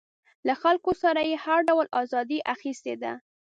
له خلکو څخه یې هر ډول ازادي اخیستې ده.